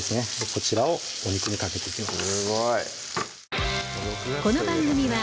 こちらをお肉にかけていきます